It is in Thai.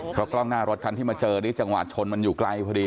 เพราะกล้องหน้ารถคันที่มาเจอนี่จังหวะชนมันอยู่ไกลพอดี